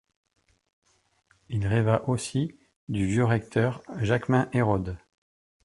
Il rêva aussi du vieux recteur Jaquemin Hérode.